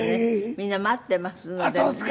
みんな待ってますのでね。